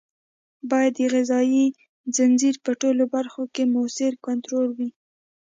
باید د غذایي ځنځیر په ټولو برخو کې مؤثر کنټرول وي.